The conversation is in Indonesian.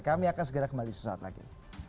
kami akan segera kembali suatu saat lagi